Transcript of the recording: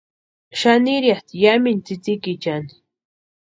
Xanirhiatʼi yamintu tsïtsïkichani.